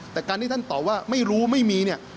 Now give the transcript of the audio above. แต่การที่ท่านตอบว่าไม่รู้ไม่มีเนี่ย